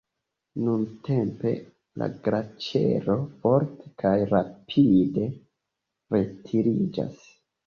Nuntempe la glaĉero forte kaj rapide retiriĝas.